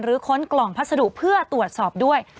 ค้นกล่องพัสดุเพื่อตรวจสอบด้วย